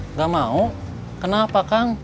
nggak mau kenapa kang